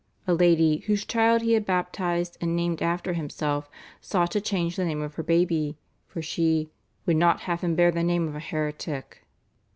A lady, whose child he had baptised and named after himself, sought to change the name of her baby, for she "would not have him bear the name of a heretic."